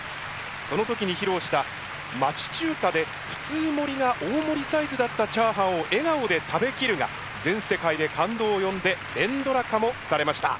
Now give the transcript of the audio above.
その時に披露した「町中華で普通盛りが大盛りサイズだったチャーハンを笑顔で食べきる」が全世界で感動を呼んで連ドラ化もされました。